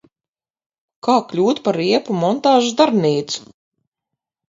Kā kļūt par riepu montāžas darbnīcu?